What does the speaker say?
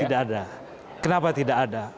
tidak ada kenapa tidak ada